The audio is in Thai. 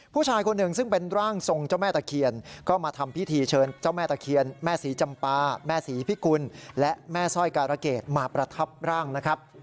ปลาแม่ศรีพิกุลและแม่สร้อยการะเกตมาประทับร่างนะครับ